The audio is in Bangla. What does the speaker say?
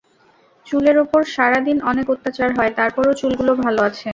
চুলের ওপর সারা দিন অনেক অত্যাচার হয়, তারপরও চুলগুলো ভালো আছে।